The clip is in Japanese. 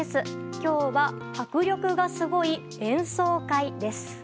今日は迫力がすごい演奏会です。